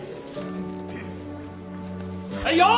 はい！